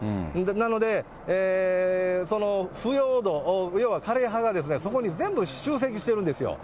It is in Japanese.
なので、その腐葉土、要は、枯れ葉がそこに全部集積してるんですよ。